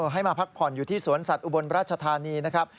ให้มาพักผ่อนอยู่ที่สวนสัตว์อุบลราชธานีนะครับ